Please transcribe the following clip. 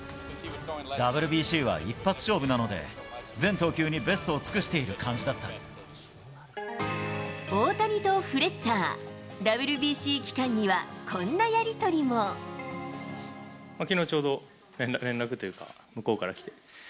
ＷＢＣは一発勝負なので、全投球にベストを尽くしている感じだっ大谷とフレッチャー、きのう、ちょうど連絡というか、向こうからきて。